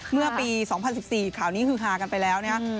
เมื่อปีสองพันสิบสี่ข่าวนี้ฮือฮากันไปแล้วเนี่ยฮะ